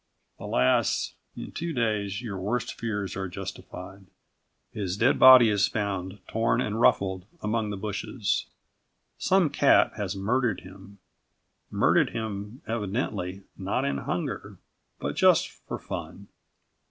Alas, in two days, your worst fears are justified. His dead body is found, torn and ruffled, among the bushes. Some cat has murdered him murdered him, evidently, not in hunger, but just for fun.